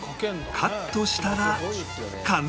カットしたら完成